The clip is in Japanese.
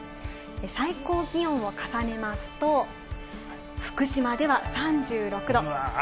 最高気温を重ねますと、福島では３６度。